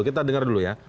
kita dengar dulu ya